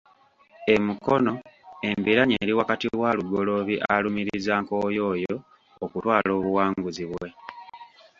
E Mukono, embiranye eri wakati wa Lugoloobi alumiriza Nkoyooyo okutwala obuwanguzi bwe.